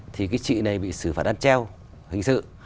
thì cái chị này bị xử phạt ăn treo hình sự